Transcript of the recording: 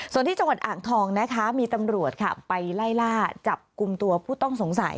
ส่วนที่จังหวัดอ่างทองนะคะมีตำรวจค่ะไปไล่ล่าจับกลุ่มตัวผู้ต้องสงสัย